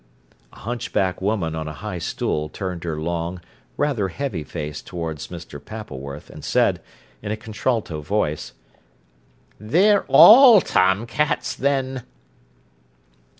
A hunchback woman on a high stool turned her long, rather heavy face towards Mr. Pappleworth, and said, in a contralto voice: "They're all tom cats then."